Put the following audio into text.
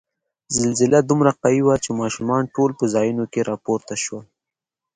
زلزله دومره قوي وه چې ماشومان ټول په ځایونو کې را پورته شول.